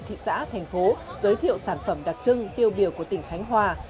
thị xã thành phố giới thiệu sản phẩm đặc trưng tiêu biểu của tỉnh khánh hòa